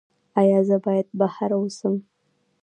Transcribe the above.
ایا زه باید بهر اوسم؟